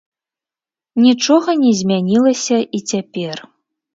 Нічога не змянілася і цяпер.